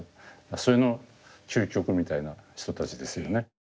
それの究極みたいな人たちですよね。